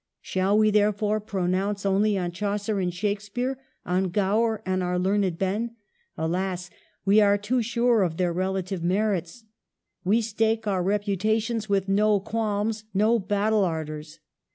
Shall we therefore pronounce only on Chaucer and Shakespeare, on Gower and our learned Ben ? Alas ! we are too sure of their relative merits ; we stake our reputations with no qualms, no battle ardors.